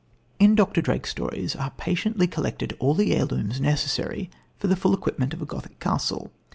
In Dr. Drake's stories are patiently collected all the heirlooms necessary for the full equipment of a Gothic castle.